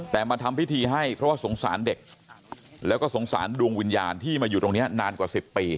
แต่มาทำพิธีให้เพราะว่าสงสารเด็กแล้วก็สงสารดวงวิญญาณที่มาอยู่ตรงนี้นานกว่า๑๐ปี